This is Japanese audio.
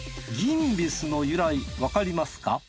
ギンビスの由来わかりますか？